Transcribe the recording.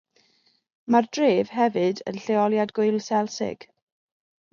Mae'r dref hefyd yn lleoliad gŵyl selsig.